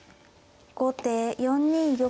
後手４二玉。